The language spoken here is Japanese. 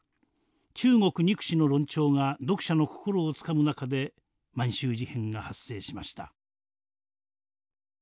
中国憎しの論調が読者の心をつかむ中で満州事変が発生しました。